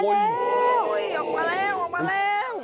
อุ้ยออกมาแล้ว